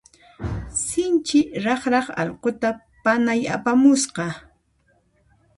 Sinchi raqraq allquta panay apamusqa.